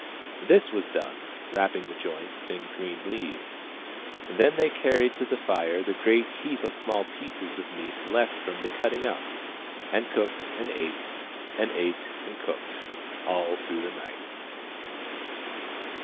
This was done, wrapping the joints in green leaves. Then they carried to the fire the great heap of small pieces of meat left from the cutting up, and cooked and ate, and ate and cooked, all through the night.